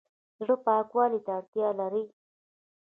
زړه پاکوالي ته اړتیا لري